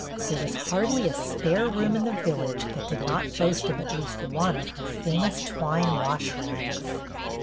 There was hardly a spare room in the village that did not boast of at least one of her famous twine wash rags.